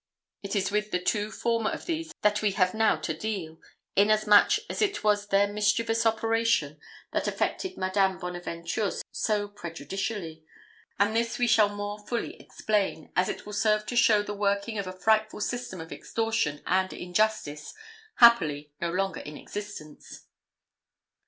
It is with the two former of these that we have now to deal; inasmuch as it was their mischievous operation that affected Madame Bonaventure so prejudicially; and this we shall more fully explain, as it will serve to show the working of a frightful system of extortion and injustice happily no longer in existence.